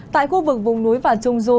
tại khu vực vùng núi và trung du